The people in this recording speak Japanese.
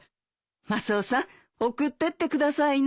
マスオさん送ってってくださいな。